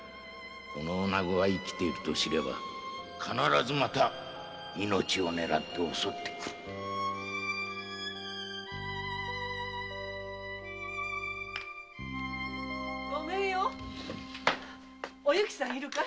このおなごが生きていると知れば必ずまた命を狙って襲ってくる〕ごめんよおゆきさんいるかい？